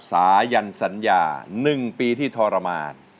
สายันสัญญา๑ปีที่ทรมาน